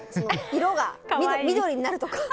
色が緑になるとか。